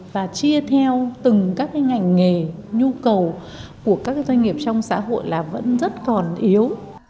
và chia theo từng các cái ngành nghề nhu cầu của các doanh nghiệp trong xã hội là vẫn rất còn yếu